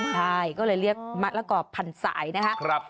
ใช่ก็เลยเรียกมะละก่อพันสายนะครับ